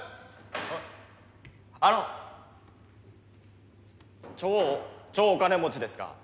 ああの超超お金持ちですか？